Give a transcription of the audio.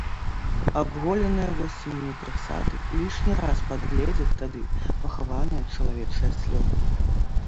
Абголеныя восенню прысады лішні раз падгледзяць тады пахаваныя чалавечыя слёзы.